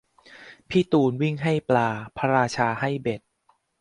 พี่ตูนวิ่งให้ปลา พระราชาให้เบ็ด